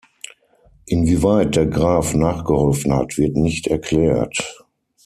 Inwieweit der Graf „nachgeholfen“ hat, wird nicht erklärt.